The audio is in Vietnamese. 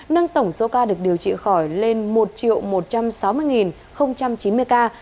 nâng tổng số ca được điều trị khỏi lên một một trăm sáu mươi chín mươi ca